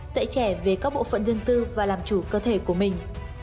dạy trẻ về các bộ phận dân cư và làm chủ cơ thể của mình